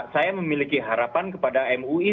saya memiliki harapan kepada mui